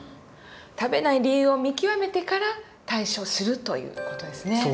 食べない理由を見極めてから対処するという事ですね。